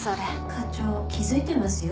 ・課長気付いてますよ。